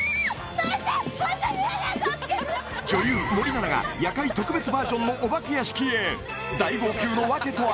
待って女優森七菜が夜会特別バージョンのお化け屋敷へ大号泣のわけとは？